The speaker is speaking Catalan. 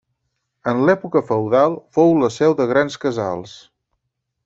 En l'època feudal fou la seu de grans casals.